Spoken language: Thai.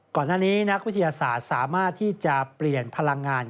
ก่อนหน้านี้นักวิทยาศาสตร์สามารถที่จะเปลี่ยนพลังงาน